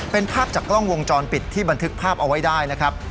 เป็นภาพจากกล้องวงจรปิดที่บันทึกภาพเอาไว้ได้นะครับ